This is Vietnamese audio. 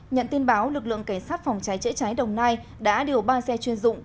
nhận tin báo lực lượng cảnh sát phòng cháy chữa cháy đồng nai đã điều ba xe chuyên dụng